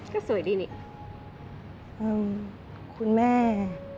ก็สวยดีนี่คุณแม่